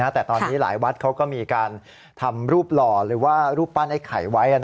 แต่ตอนนี้หลายวัดเขาก็มีการทำรูปหล่อหรือว่ารูปปั้นไอ้ไข่ไว้